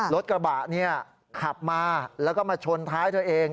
รถกระบะเนี่ยขับมาแล้วก็มาชนท้ายเธอเอง